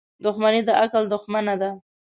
• دښمني د عقل دښمنه ده.